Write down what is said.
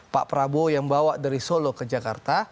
pak prabowo yang bawa dari solo ke jakarta